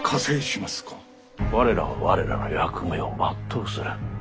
我らは我らの役目を全うする。